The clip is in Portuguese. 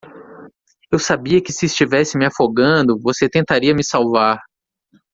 Eu sabia que se estivesse me afogando, você tentaria me salvar.